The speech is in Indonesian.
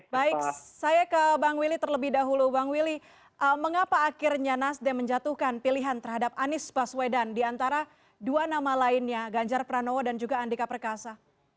baik saya ke bang willy terlebih dahulu bang willy mengapa akhirnya nasdem menjatuhkan pilihan terhadap anies baswedan di antara dua nama lainnya ganjar pranowo dan juga andika perkasa